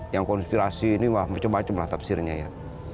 yang konspirasi ini wah macam macamlah tafsirnya ya